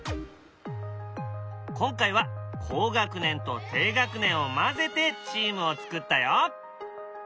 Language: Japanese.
今回は高学年と低学年を交ぜてチームを作ったよ。